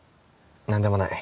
何でもない。